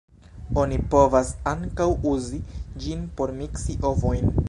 Oni povas ankaŭ uzi ĝin por miksi ovojn.